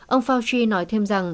ông fauci nói thêm rằng